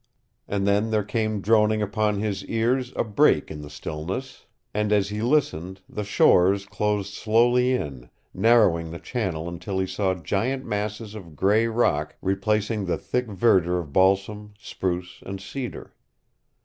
And then there came droning upon his ears a break in the stillness, and as he listened, the shores closed slowly in, narrowing the channel until he saw giant masses of gray rock replacing the thick verdure of balsam, spruce, and cedar.